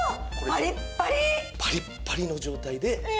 パリッパリの状態で。